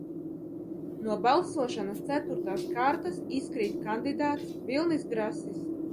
"No balsošanas ceturtās kārtas "izkrīt" kandidāts Vilnis Grasis."